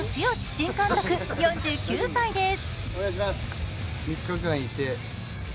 新監督４９歳です。